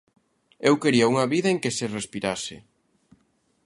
Eu quería unha vida en que se respirase.